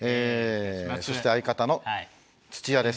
そして相方の土屋です。